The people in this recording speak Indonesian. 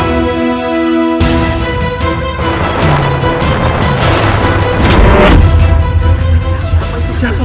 kau bisa menghentikan aku